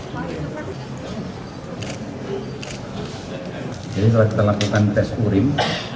jadi kalau kita lakukan tes urim